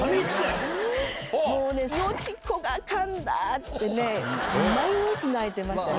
もうね、よしこがかんだってね、毎日泣いてましたね。